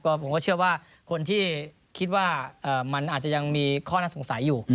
ผมก็เชื่อว่าคนที่คิดว่ามันอาจจะยังมีข้อน่าสงสัยอยู่